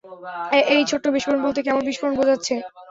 এই ছোট্ট বিস্ফোরণ বলতে কেমন বিস্ফোরণ বোঝাচ্ছে?